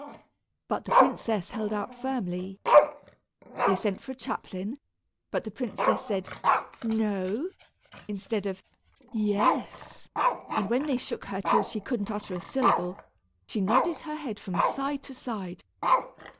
But the princess held out firmly. They sent for a chaplain, but the princess said "no," instead of "yes," and when they shook her till she couldn't utter a syllable, she nodded her head from side to side.